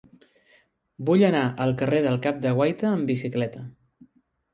Vull anar al carrer del Cap de Guaita amb bicicleta.